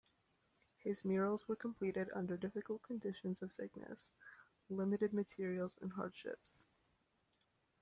His murals were completed under difficult conditions of sickness, limited materials and hardships.